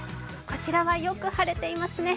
こちらはよく晴れていますね。